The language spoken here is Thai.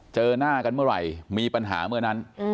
เจอหน้ากันเมื่อไหร่มีปัญหาเมื่อนั้น